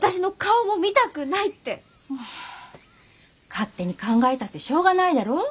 勝手に考えたってしょうがないだろ？